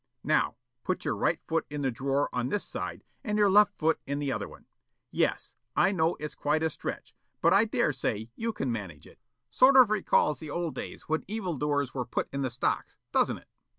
Now, put your right foot in the drawer on this side and your left foot in the other one yes, I know it's quite a stretch, but I dare say you can manage it. Sort of recalls the old days when evil doers were put in the stocks, doesn't it?